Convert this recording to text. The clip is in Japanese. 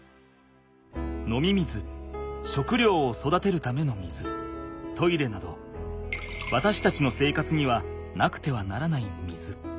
飲み水食料を育てるための水トイレなどわたしたちの生活にはなくてはならない水。